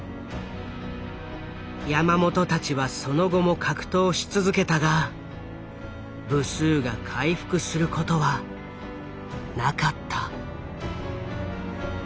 山本たちはその後も格闘し続けたが部数が回復することはなかった。